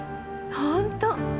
本当！